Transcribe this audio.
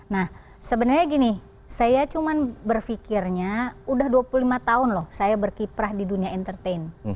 nah sebenarnya gini saya cuma berfikirnya udah dua puluh lima tahun loh saya berkiprah di dunia entertain